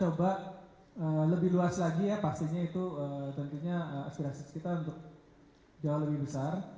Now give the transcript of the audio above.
sebenarnya kita coba lebih luas lagi ya pastinya aspirasi kita untuk jauh lebih besar